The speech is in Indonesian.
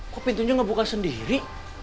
kok pintunya nggak buka sendiri